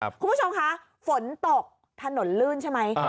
คุณผู้ชมคะฝนตกถนนลื่นใช่ไหม